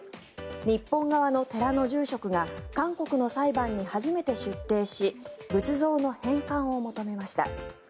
日本側の寺の住職が韓国の裁判に初めて出廷し仏像の返還を求めました。